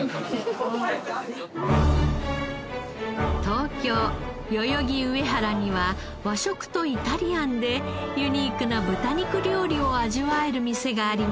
東京代々木上原には和食とイタリアンでユニークな豚肉料理を味わえる店があります。